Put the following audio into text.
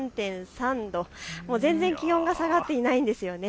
全然気温が下がっていないんです。